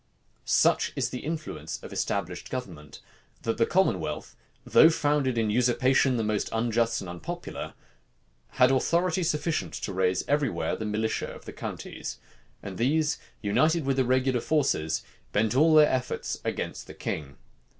Such is the influence of established government, that the commonwealth, though founded in usurpation the most unjust and unpopular, had authority sufficient to raise every where the militia of the counties; and these, united with the regular forces, bent all their efforts against the king.